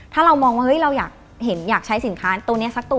ถ้าเรามองว่าเฮ้ยเราอยากใช้สินค้าตัวนี้สักตัว